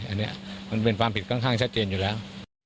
อันนี้มันเป็นความผิดค่อนข้างชัดเจนอยู่แล้ว